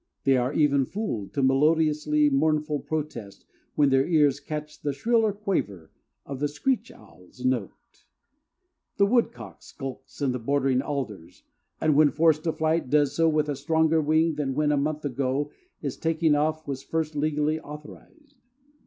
They are even fooled to melodiously mournful protest when their ears catch the shriller quaver of the screech owl's note. The woodcock skulks in the bordering alders, and when forced to flight does so with a stronger wing than when a month ago his taking off was first legally authorized.